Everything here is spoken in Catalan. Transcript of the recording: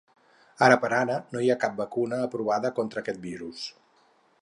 Ara per ara no hi ha cap vacuna aprovada contra aquests virus.